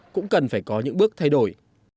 cũng cần phải có những bước thay đổi